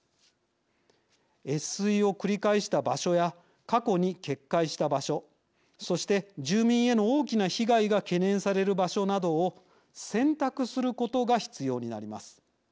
越水を繰り返した場所や過去に決壊した場所そして住民への大きな被害が懸念される場所などを選択することが必要になります。